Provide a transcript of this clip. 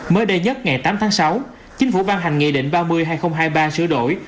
mới đây nhất ngày tám tháng sáu chính phủ ban hành nghị định ba mươi hai nghìn hai mươi ba sửa đổi